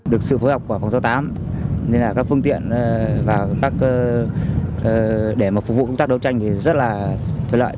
được sự phối hợp của phòng giao tám các phương tiện để phục vụ công tác đấu tranh rất là thiệt lợi